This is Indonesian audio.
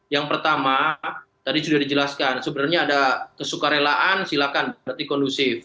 yang pertama tadi sudah dijelaskan sebenarnya ada kesuka relaan silakan berarti kondusif